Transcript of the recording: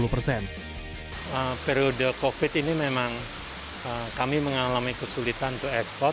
periode covid ini memang kami mengalami kesulitan untuk ekspor